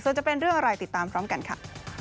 ส่วนจะเป็นเรื่องอะไรติดตามพร้อมกันค่ะ